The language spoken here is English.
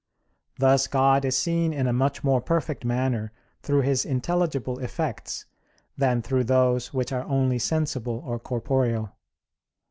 Thus God is seen in a much more perfect manner through His intelligible effects than through those which are only sensible or corporeal.